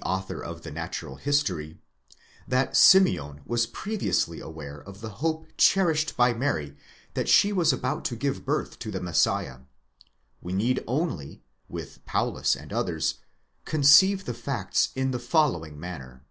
author of the Natural History,> that Simeon was previously aware of the hope cherished by Mary that she was about to give birth to the Messiah; we need only, with Paulus and others, conceive the facts in the following manner.